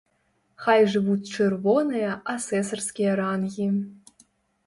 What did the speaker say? Хай жывуць чырвоныя асэсарскія рангі!